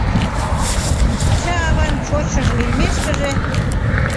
Ачан-аван шочшыжо лиймешкыже